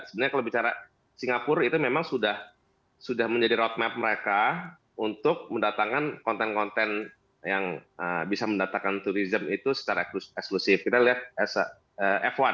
sebenarnya kalau bicara singapura itu memang sudah menjadi roadmap mereka untuk mendatangkan konten konten yang bisa mendatangkan turisme itu secara eksklusif